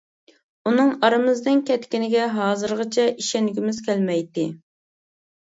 ئۇنىڭ ئارىمىزدىن كەتكىنىگە ھازىرغىچە ئىشەنگۈمىز كەلمەيتتى.